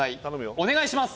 お願いします